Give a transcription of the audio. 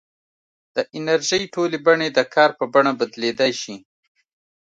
د انرژۍ ټولې بڼې د کار په بڼه بدلېدای شي.